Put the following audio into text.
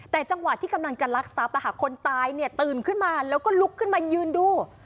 แต่จังหวะที่กำลังจะลักทรัพย์คนตายตื่นขึ้นมาแล้วก็ลุกขึ้นมายืนดู